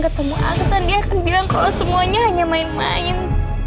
ketemu aku kan dia akan bilang kalau semuanya hanya main main